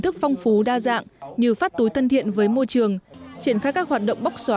thức phong phú đa dạng như phát túi thân thiện với môi trường triển khai các hoạt động bóc xóa